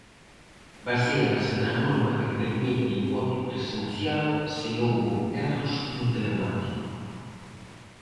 Baséanse na norma que permite o voto presencial se houbo erros no telemático.